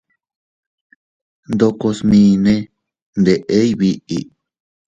Ndoko smine ndeʼey biʼi.